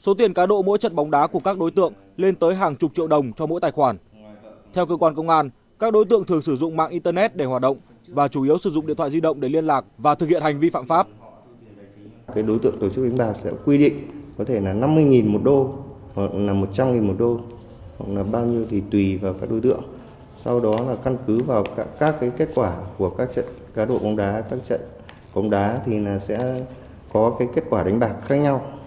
sau đó là căn cứ vào các kết quả của các trận cá độ bóng đá các trận bóng đá thì sẽ có kết quả đánh bạc khác nhau